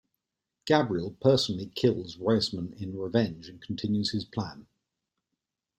Gabriel personally kills Reisman in revenge and continues his plan.